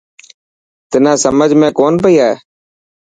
تنان سمجهه ۾ ڪون پئي آڻي.